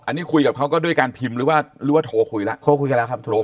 อันนี้คุยกับเขาก็ด้วยการพิมพ์หรือว่าหรือว่าโทรคุยแล้ว